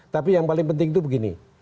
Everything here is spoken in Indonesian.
tapi yang paling penting itu begini